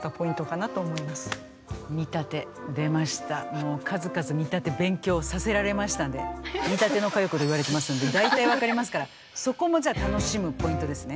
もう数々見立て勉強させられましたんで「見立ての佳代子」と言われてますんで大体分かりますからそこもじゃあ楽しむポイントですね。